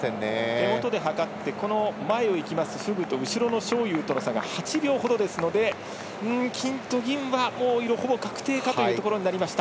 手元で計って前を行きます、フグと後ろの章勇との差が８秒ほどですので金と銀は、ほぼ確定かというところになりました。